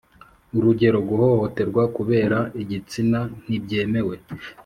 urugero: guhohoterwa kubera igitsina ntibyemewe.